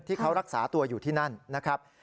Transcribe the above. ที่เขารักษาตัวอยู่ที่นั่นนะครับ